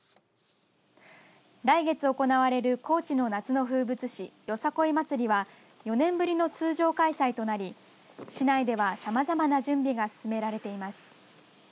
来月行われる高知の夏の風物詩よさこい祭りは４年ぶりの通常開催となり市内ではさまざまな準備が進められています。